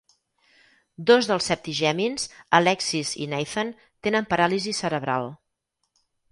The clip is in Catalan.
Dos dels septigèmins, Alexis i Nathan, tenen paràlisi cerebral.